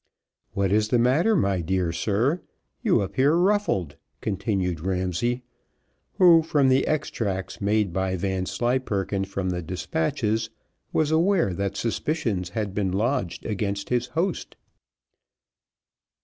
"What is the matter, my dear sir, you appear ruffled," continued Ramsay, who from the extracts made by Vanslyperken from the despatches, was aware that suspicions had been lodged against his host.